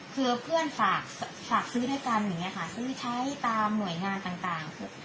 คือเพื่อนฝากฝากซื้อให้กันอย่างเงี้ยค่ะซื้อใช้ตามหน่วยงานต่างต่าง